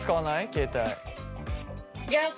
携帯。